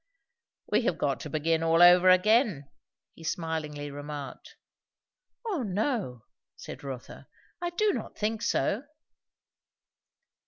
"We have got to begin all over again," he smilingly remarked. "Oh no!" said Rotha. "I do not think so."